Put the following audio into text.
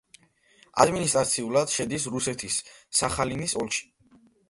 ადმინისტრაციულად შედის რუსეთის სახალინის ოლქში.